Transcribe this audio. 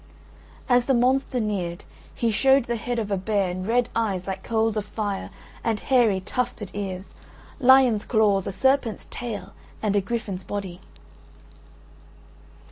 As the monster neared, he showed the head of a bear and red eyes like coals of fire and hairy tufted ears; lion's claws, a serpent's tail, and a griffin's body.